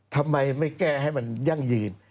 ทำไมไม่แก้ให้มันยั่งยืน